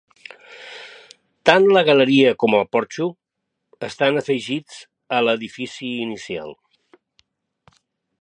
Tant la galeria com el porxo estan afegits a l'edifici inicial.